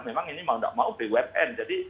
memang ini mau gak mau bwn jadi